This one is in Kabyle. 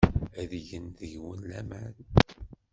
Ad gen deg-wen laman.